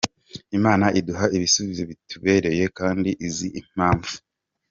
Imana iduha ibisubizo bitubereye kandi izi impamvu.